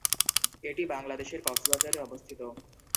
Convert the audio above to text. এটি বাংলাদেশের কক্সবাজারে অবস্থিত।